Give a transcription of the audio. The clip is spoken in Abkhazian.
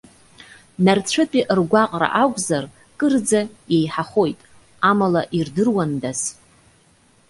Нарцәытәи ргәаҟра акәзар, кырӡа иеиҳахоит. Амала ирдыруандаз!